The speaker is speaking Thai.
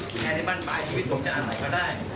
แค่ในบ้านบ่ายชีวิตผมจะอาศัยก็ได้